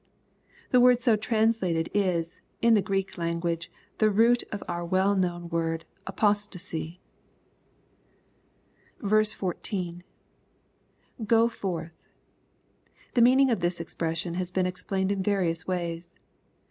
] The word so translated, is, in the Greek language^ the root of our well known word "apostacy." 14. — [Go forth.] The meaning of this expression has been explained in various ways.